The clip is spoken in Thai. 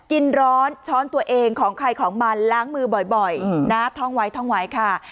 กินร้อนช้อนตัวเองของใครของมันล้างมือบ่อยนะท่องไว้ท่องไว้ค่ะ